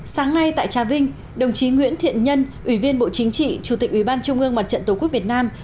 sáng nay tại trà vinh đồng chí nguyễn thiện nhân ủy viên bộ chính trị chủ tịch ủy ban trung ương mặt trận tổ quốc việt nam